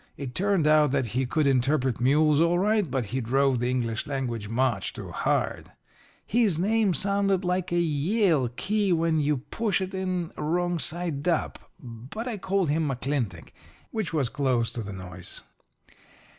It turned out that he could interpret mules all right, but he drove the English language much too hard. His name sounded like a Yale key when you push it in wrong side up, but I called him McClintock, which was close to the noise.